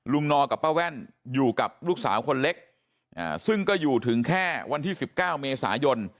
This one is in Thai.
นอกับป้าแว่นอยู่กับลูกสาวคนเล็กซึ่งก็อยู่ถึงแค่วันที่๑๙เมษายน